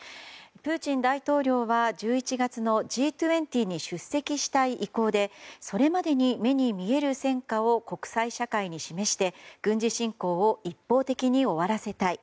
プーチン大統領は１１月のＧ２０に出席したい意向でそれまでに目に見える戦果を国際社会に示して軍事侵攻を一方的に終わらせたい。